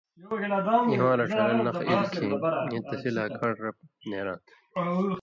اِواں رڇھان٘لہ نخہۡ ایل کھیں اېں تسی لا کان٘ڑ رپ نېراں تھہ۔